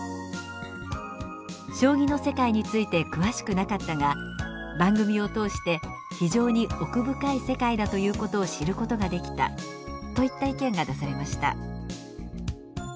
「将棋の世界について詳しくなかったが番組を通して非常に奥深い世界だということを知ることができた」といった意見が出されました。